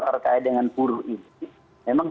terkait dengan buruh ini memang